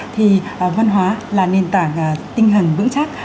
thì văn hóa là nền tảng tinh thần vững chắc